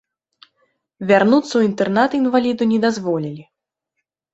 Вярнуцца ў інтэрнат інваліду не дазволілі.